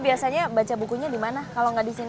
biasanya baca bukunya di mana kalau nggak di sini